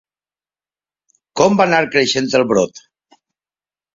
Com va anar creixent el brot?